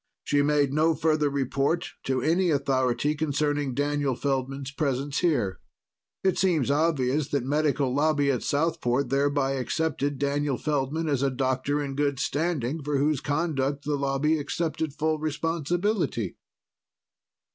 She made no further report to any authority concerning Daniel Feldman's presence here. It seems obvious that Medical Lobby at Southport thereby accepted Daniel Feldman as a doctor in good standing for whose conduct the Lobby accepted full responsibility."